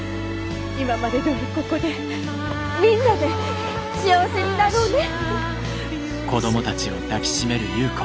今までどおりここでみんなで幸せになろうね。